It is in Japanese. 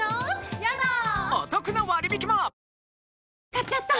買っちゃった！